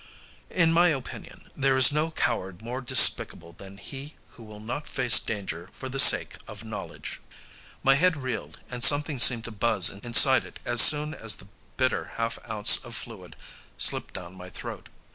In my opinion, there is no coward more despicable than he who will not face danger for the sake of knowledge. My head reeled, and something seemed to buzz inside it as soon as the bitter half ounce of fluid slipped down my throat.